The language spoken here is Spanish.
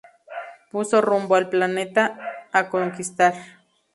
Puso rumbo al planeta a conquistar.